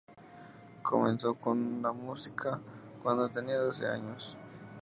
Comenzó con la música cuando tenía doce años.